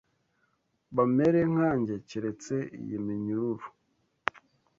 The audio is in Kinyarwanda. bamere nkanjye, keretse iyi minyururu.